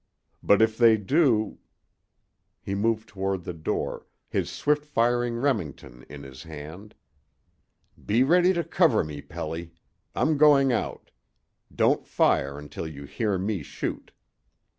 But if they do " He moved toward the door, his swift firing Remington in his hand. "Be ready to cover me, Pelly. I'm going out. Don't fire until you hear me shoot."